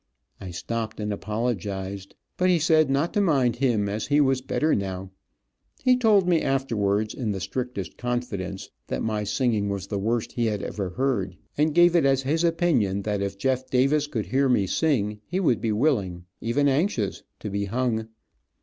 I stopped and apologized, but he said not to mind him, as he was better now. He told me, afterwards, in the strictest confidence, that my singing was the worst he ever heard, and gave it as his opinion that if Jeff Davis could hear me sing he would be willing, even anxious, to be hung.